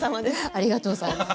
ありがとうございます。